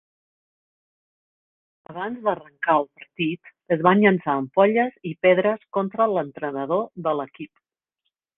Abans d'arrancar el partit, es van llançar ampolles i pedres contra l'entrenador de l'equip.